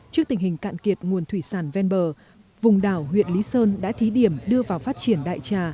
trước tình hình cạn kiệt nguồn thủy sản ven bờ vùng đảo huyện lý sơn đã thí điểm đưa vào phát triển đại trà